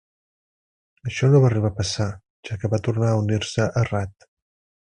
Això no va arribar a passar, ja que va tornar a unir-se a Ratt.